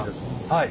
はい。